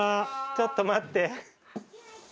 ちょっと待って。